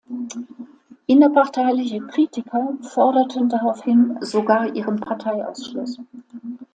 Innerparteiliche Kritiker forderten daraufhin sogar ihren Parteiausschluss.